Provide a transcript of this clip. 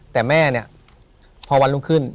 แต่แม่เนี่ยพอวันรุ่งขึ้น